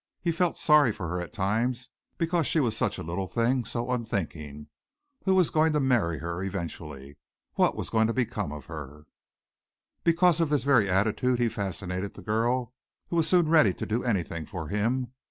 He felt sorry for her at times because she was such a little thing, so unthinking. Who was going to marry her eventually? What was going to become of her? Because of this very attitude he fascinated the girl who was soon ready to do anything for him.